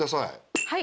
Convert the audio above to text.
はい。